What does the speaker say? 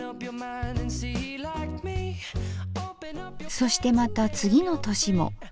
そしてまた次の年も。